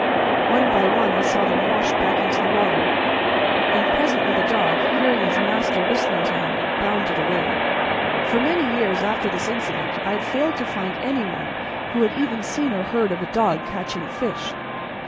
One by one I saw them washed back into the water, and presently the dog, hearing his master whistling to him, bounded away. For many years after this incident I failed to find any one who had even seen or heard of a dog catching fish.